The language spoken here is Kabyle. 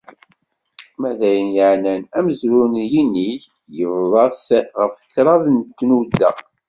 Ma d ayen yeεnan amezruy n yinig, yebḍa-t ɣef kraḍ n tnudda.